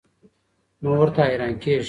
نو ورته حېران کيږي